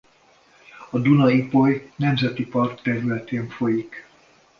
A Duna–Ipoly Nemzeti Park területén folyik.